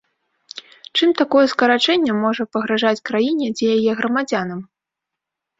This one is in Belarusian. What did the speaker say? Чым такое скарачэнне можа пагражаць краіне ці яе грамадзянам?